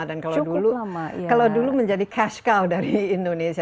dan kalau dulu menjadi cash cow dari indonesia